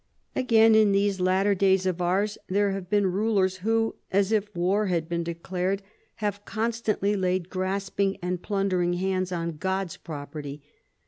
" Again, in these latter days of ours, there have been rulers who, as if war had been declared, have constantly laid grasping and plundering hands on God's property.